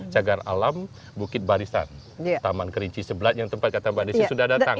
cagar alam bukit barisan taman kerinci sebelah yang tempat kata bani sudah datang